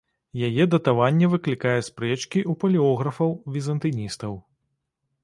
Яе датаванне выклікае спрэчкі ў палеографаў-візантыністаў.